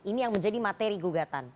ini yang menjadi materi gugatan